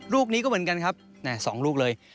ลูกนี้ก็เหมือนกันครับ๒ลูกเลย